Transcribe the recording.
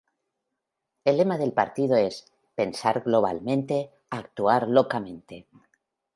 El lema del partido es ""pensar globalmente, actuar localmente"".